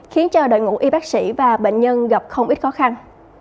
khiến cho đội ngũ y bác sĩ và bệnh nhân gặp không ít khó khăn